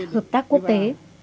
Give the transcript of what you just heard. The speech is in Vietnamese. hợp tác quốc tế